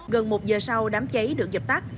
gần một giờ sau đám cháy được dập tắt